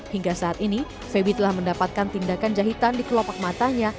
hingga saat ini febi telah mendapatkan tindakan jahitan di kelopak matanya